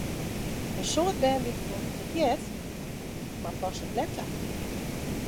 In soad bern witte wol hoe't it heart, mar passe it net ta.